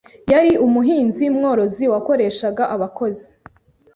Yari umuhinzi-mworozi wakoreshaga abakozi